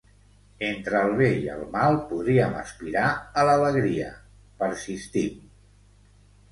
Entre el bé i el mal, podríem aspirar a l'alegria. Persistim.